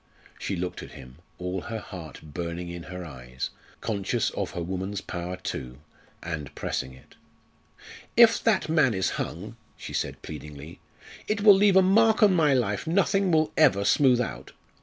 She looked at him, all her heart burning in her eyes, conscious of her woman's power too, and pressing it. "If that man is hung," she said pleadingly, "it will leave a mark on my life nothing will ever smooth out.